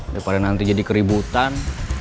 daripada nanti jadi keributan